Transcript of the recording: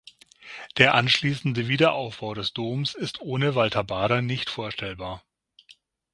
Der anschließende Wiederaufbau des Doms ist ohne Walter Bader nicht vorstellbar.